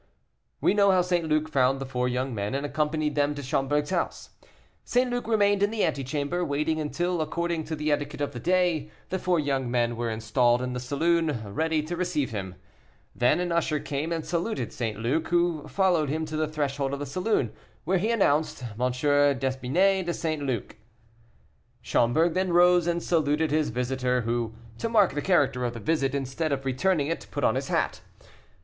We know how St. Luc found the four young men, and accompanied them to Schomberg's house. St. Luc remained in the ante chamber, waiting until, according to the etiquette of the day, the four young men were installed in the saloon ready to receive him. Then an usher came and saluted St. Luc, who followed him to the threshold of the saloon, where he announced M. d'Espinay de St. Luc. Schomberg then rose and saluted his visitor, who, to mark the character of the visit, instead of returning it, put on his hat.